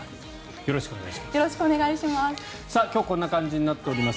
よろしくお願いします。